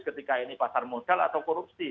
ketika ini pasar modal atau korupsi